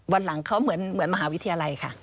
วันหลังเขาเหมือนมหาวิทยาลัยค่ะ